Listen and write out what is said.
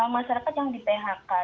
masyarakat yang di phk